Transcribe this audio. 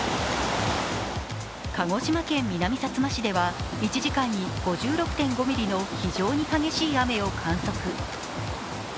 鹿児島県南さつま市では、１時間に５６．５ミリの非常に激しい雨を観測。